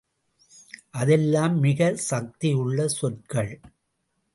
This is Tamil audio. அதெல்லாம் மிகச் சக்தியுள்ள சொற்கள்.